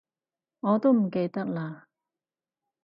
我都唔記得喇